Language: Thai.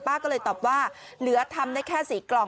ก็เลยตอบว่าเหลือทำได้แค่๔กล่อง